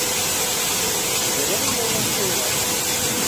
Bru i wawal tura.